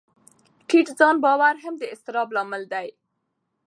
ټیټ ځان باور هم د اضطراب لامل دی.